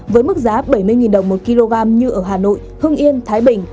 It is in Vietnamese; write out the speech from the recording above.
với mức giá bảy mươi đồng một kg như ở hà nội hưng yên thái bình